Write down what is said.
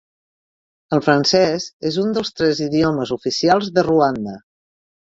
El francès és un dels tres idiomes oficials de Ruanda.